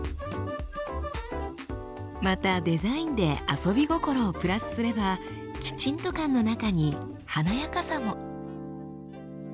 またデザインで遊び心をプラスすればきちんと感の中に華やかさも。